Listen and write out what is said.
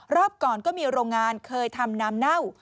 รอบก่อนก็มีโรงงานเคยทำน้ำเน่า